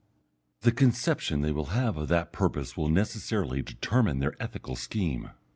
The conception they will have of that purpose will necessarily determine their ethical scheme.